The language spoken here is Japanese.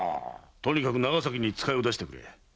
とにかく長崎に使いを出してくれ。